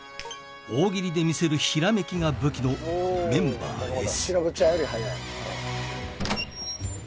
「大喜利で見せるひらめきが武器のメンバーＳ」